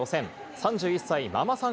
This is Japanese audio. ３１歳、ママさん